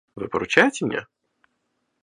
Вы поручаете мне?